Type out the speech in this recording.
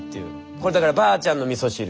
これだからばあちゃんのみそ汁。